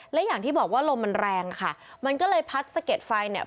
และอย่างที่บอกว่าลมมันแรงค่ะมันก็เลยพัดสะเก็ดไฟเนี่ย